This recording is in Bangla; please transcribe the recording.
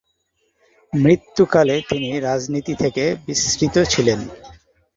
মৃত্যুকালে তিনি রাজনীতি থেকে বিস্মৃত ছিলেন।